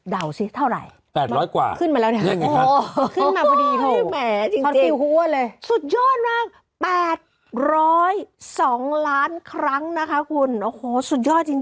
สิเท่าไหร่๘๐๐กว่าขึ้นมาแล้วเนี่ยขึ้นมาพอดีเลยสุดยอดมาก๘๐๒ล้านครั้งนะคะคุณโอ้โหสุดยอดจริง